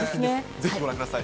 ぜひご覧ください。